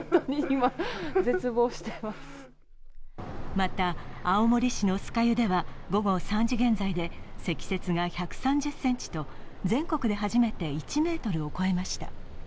また、青森市の酸ヶ湯では午後３時現在で積雪が１３０ｃｍと全国で初めて１ｍを超えました。